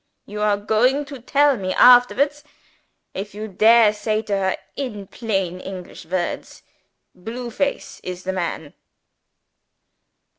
You are going to tell me afterwards, if you dare say to her, in plain English words, 'Blue Face is the man.'"